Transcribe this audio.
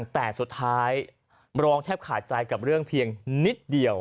แต่สุดท้ายรองแทบขาดใจกับเรื่องเพียงนิดเดียว